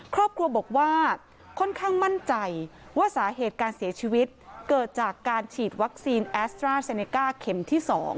ครอบครัวบอกว่าค่อนข้างมั่นใจว่าสาเหตุการเสียชีวิตเกิดจากการฉีดวัคซีนแอสตราเซเนก้าเข็มที่๒